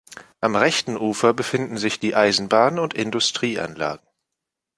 Am rechten Ufer befinden sich die Eisenbahn- und Industrieanlagen.